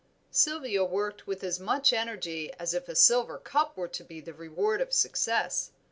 Sylvia worked with as much energy as if a silver cup was to be the reward of success.